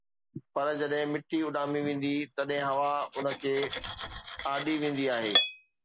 پر جڏهن مٽي اُڏامي ويندي آهي، تڏهن هوا ان کي اُڏي ويندي آهي